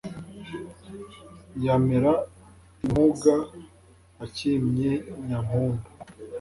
yamera impuga acyimye nyampundu,